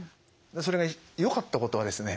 それがよかったことはですね